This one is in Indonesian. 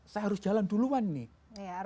saya harus jalan duluan nih